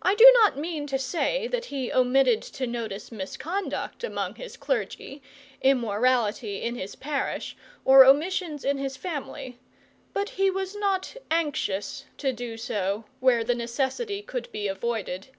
I do not mean to say that he omitted to notice misconduct among his clergy, immorality in his parish, or omissions in his family; but he was not anxious to do so where the necessity could be avoided.